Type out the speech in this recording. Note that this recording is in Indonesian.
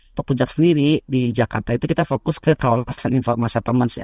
untuk puncak sendiri di jakarta itu kita fokus ke kawasan informal masatlements